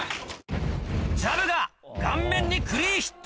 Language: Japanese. ジャブが顔面にクリーンヒット！